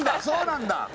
そうなんだ？